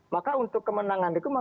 maka untuk kemenangan itu